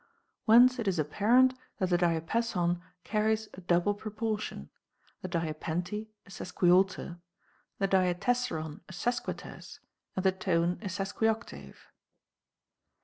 Whence it is apparent that the diapason carries a double proportion, the diapente a sesquialter, the diatessaron a sesquiterce, and the tone a sesquioctave.